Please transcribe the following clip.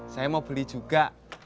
saya mau beli juga